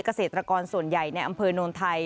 เกษตรกรส่วนใหญ่ในอำเภอโนนไทย